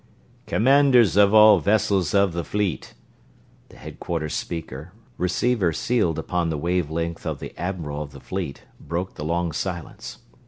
"Commanders of all vessels of the Fleet!" The Headquarters speaker, receiver sealed upon the wave length of the Admiral of the Fleet, broke the long silence.